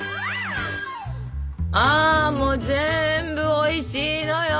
あもう全部おいしいのよ！